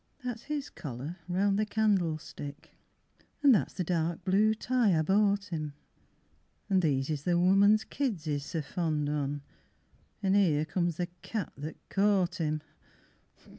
VII That's his collar round the candle stick An' that's the dark blue tie I bought 'im, An' these is the woman's kids he's so fond on, An' 'ere comes the cat that caught 'im.